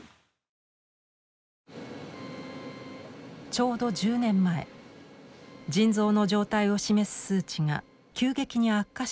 ちょうど１０年前腎臓の状態を示す数値が急激に悪化し始めた時。